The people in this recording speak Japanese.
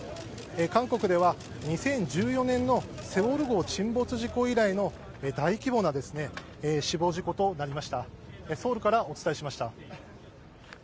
韓国では２０１４年のセウォル号沈没事故以来の大規模な死亡事故となりました。